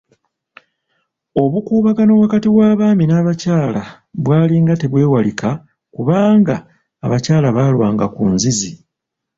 Obukuubagano wakati w'abaami n'abakyala bwalinga tebwewalika kubanga abakyala baalwanga ku nzizi.